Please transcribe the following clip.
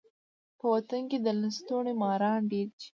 په وطن کي د لستوڼي ماران ډیر دي.